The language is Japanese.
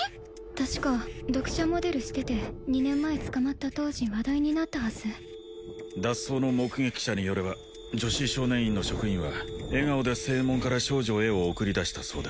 確か読者モデルしてて２年前捕まった当時話題になったはず脱走の目撃者によれば女子少年院の職員は笑顔で正門から少女Ａを送り出したそうだ